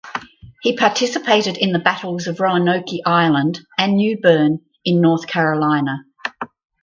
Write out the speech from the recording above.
He participated in the battles of Roanoke Island and New Bern in North Carolina.